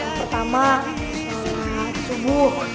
yang pertama sholat subuh